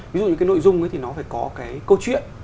ví dụ như cái nội dung thì nó phải có cái câu chuyện